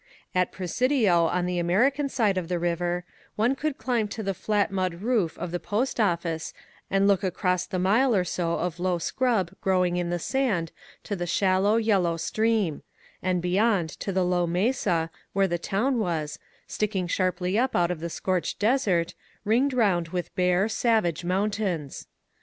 At Presidio, on the American side of the river, one could climb to the flat mud roof of the Post Office and look across the mile or so of low scrub growing in the sand to the shallow, yellow stream; and beyond to the low mesa, where the town was, sticking sharply up out of a scorched desert, ringed round with bare, savage mountains.